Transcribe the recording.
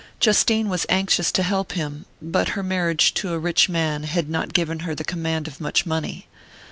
Justine was anxious to help him, but her marriage to a rich man had not given her the command of much money.